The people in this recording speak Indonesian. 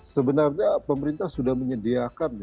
sebenarnya pemerintah sudah menyediakan